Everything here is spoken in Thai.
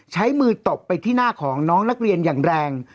ใช้มือตบไปที่หน้าของน้องนักเรียนอย่างแรง